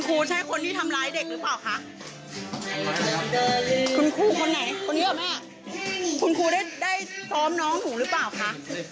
คุณครูได้ซ้อมน้องหนูหรือเปล่าคะ